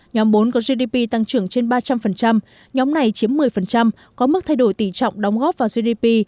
nhóm bốn có gdp tăng trưởng trên ba trăm linh nhóm này chiếm một mươi có mức thay đổi tỷ trọng đóng góp vào gdp